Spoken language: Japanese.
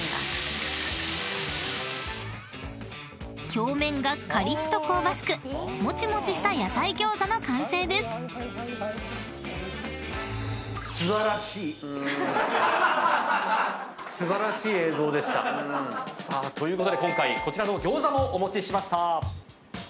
［表面がカリッと香ばしくもちもちした屋台餃子の完成です］ということで今回こちらの餃子もお持ちしました。